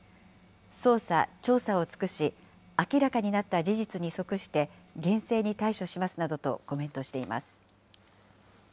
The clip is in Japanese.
捜査・調査を尽くし、明らかになった事実に即して厳正に対処しますなどとコメントしています。